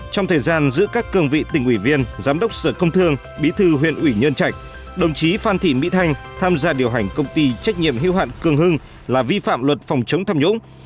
trong thời gian giữ các cường vị tỉnh ủy viên giám đốc sở công thương bí thư huyện ủy nhân trạch đồng chí phan thị mỹ thanh tham gia điều hành công ty trách nhiệm hưu hạn cường hưng là vi phạm luật phòng chống tham nhũng